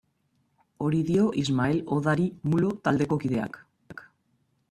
Hori dio Ismael Odari Mulo taldeko kideak.